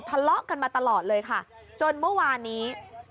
ทะเลาะกันมาตลอดเลยค่ะจนเมื่อวานนี้